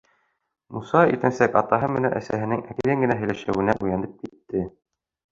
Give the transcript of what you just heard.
Муса иртәнсәк атаһы менән әсәһенең әкрен генә һөйләшеүенә уянып китте.